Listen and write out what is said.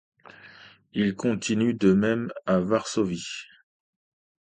Il continue de même à Varsovie.